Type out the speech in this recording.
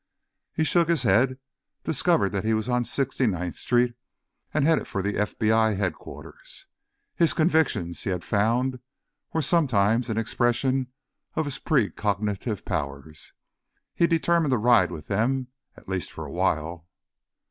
He shook his head, discovered that he was on 69th Street, and headed for the FBI Headquarters. His convictions, he had found, were sometimes an expression of his precognitive powers; he determined to ride with them, at least for awhile.